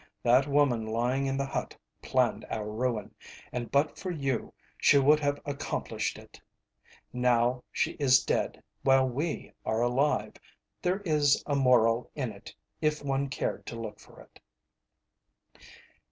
That woman lying in the hut planned our ruin, and but for you she would have accomplished it. Now she is dead, while we are alive. There is a moral in it, if one cared to look for it."